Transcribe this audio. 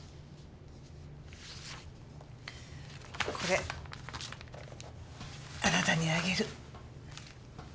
これあなたにあげる。